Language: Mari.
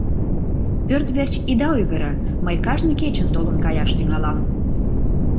Пӧрт верч ида ойгыро, мый кажне кечын толын каяш тӱҥалам.